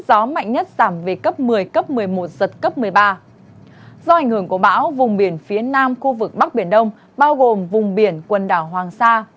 do ảnh hưởng của bão vùng biển phía nam khu vực bắc biển đông bao gồm vùng biển quần đảo hoàng sa